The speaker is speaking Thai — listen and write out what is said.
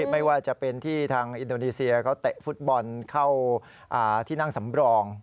ไม่ว่าจะเป็นที่ทางอินโดนีเซียเขาเตะฟุตบอลเข้าที่นั่งสำรอง